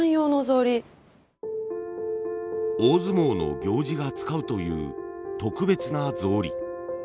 大相撲の行司が使うという特別な草履。